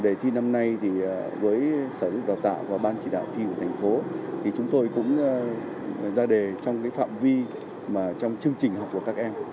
đề thi năm nay thì với sở hữu đào tạo và ban chỉ đạo thi của thành phố thì chúng tôi cũng ra đề trong cái phạm vi mà trong chương trình học của các em